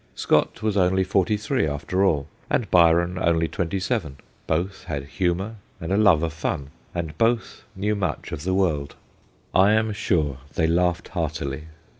Scott was only forty three, after all, and Byron only twenty seven ; both had humour and a love of fun, and both knew much of the world ; 200 THE GHOSTS OF PICCADILLY I am sure they laughed heartily.